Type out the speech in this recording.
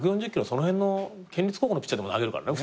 その辺の県立高校のピッチャーでも投げるからね。